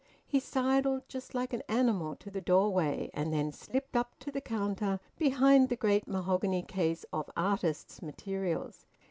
He sidled, just like an animal, to the doorway, and then slipped up to the counter, behind the great mahogany case of `artists' materials.'